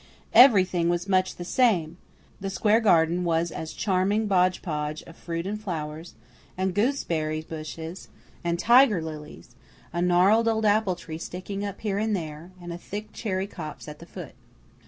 Everything was very much the same; the square garden was a charming hodge podge of fruit and flowers, and goose berry bushes and tiger lilies, a gnarled old apple tree sticking up here and there, and a thick cherry copse at the foot.